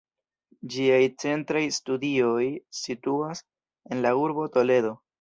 Ĝiaj centraj studioj situas en la urbo Toledo.